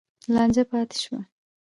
لانجه پاتې شوه.